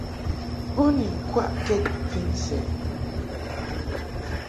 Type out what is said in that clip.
Bo ni ŋkwaʼkɛd vin sɛ.